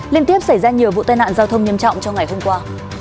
liên tiếp xảy ra nhiều vụ tai nạn giao thông nghiêm trọng trong ngày hôm qua